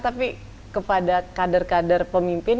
tapi kepada kader kader pemimpin